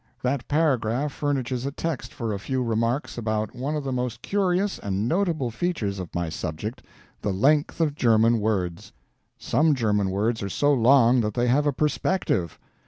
That paragraph furnishes a text for a few remarks about one of the most curious and notable features of my subject the length of German words. Some German words are so long that they have a perspective.